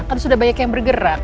kan sudah banyak yang bergerak